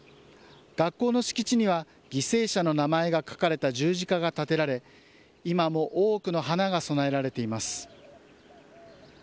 学校の敷地には犠牲者の名前が書かれた十字架が立てられ今も多くの花が供えられています。